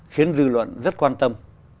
khiến dư luận rất quan tâm